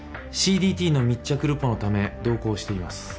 ＣＤＴの密着ルポのため同行しています。